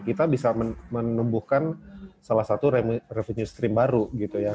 kita bisa menumbuhkan salah satu revenue stream baru gitu ya